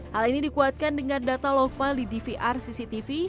hal ini dikuatkan dengan data low file di dvr cctv